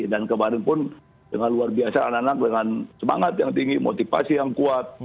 dan kemarin pun dengan luar biasa anak anak dengan semangat yang tinggi motivasi yang kuat